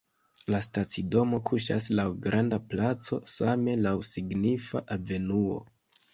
La stacidomo kuŝas laŭ granda placo, same laŭ signifa avenuo.